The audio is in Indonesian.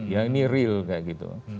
ya ini real kayak gitu